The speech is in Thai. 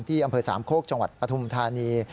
อำเภอสามโคกจังหวัดปฐุมธานี